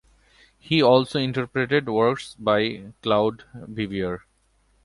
He also interpreted works by Claude Vivier.